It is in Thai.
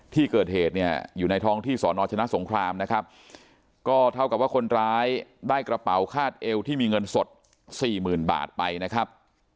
ที่เกิดเหตุเนี่ยอยู่ในท้องที่สอนอชนะสงครามนะครับก็เท่ากับว่าคนร้ายได้กระเป๋าคาดเอวที่มีเงินสดสี่หมื่นบาทไปนะครับ